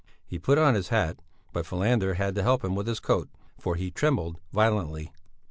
He put on his hat, but Falander had to help him with his coat, for he trembled violently.